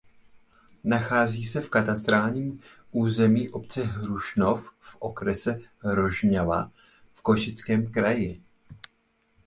Nachází se v katastrálním území obce Hrušov v okrese Rožňava v Košickém kraji.